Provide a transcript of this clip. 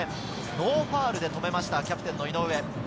ノーファウルで止めました、キャプテン・井上。